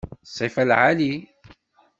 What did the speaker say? D ssifa lɛali.